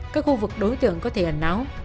các khu vực đối tượng có thể ẩn náu